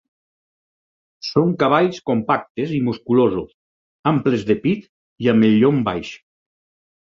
Són cavalls compactes i musculosos, amples de pit i amb el llom baix.